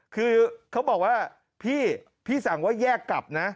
คือเขาบอกว่าพี่พี่สั่งว่าแยกกลับนะ